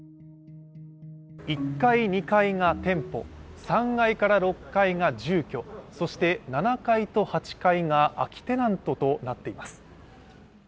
１階、２階が店舗３階から６階が住居そして７階と８階が、空きテナントとなっています。